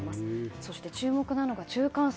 そして注目なのが中間層。